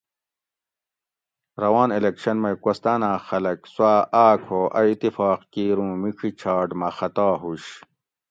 روان الیکشن مئ کوہستاۤناۤں خلک سُواۤ آۤک ہو اۤ اتفاق کِیر اُوں میڄی چھاٹ مہ خطا ہُوش